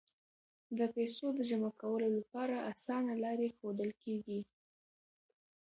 د پیسو د جمع کولو لپاره اسانه لارې ښودل کیږي.